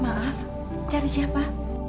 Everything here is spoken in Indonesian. maaf cari siapa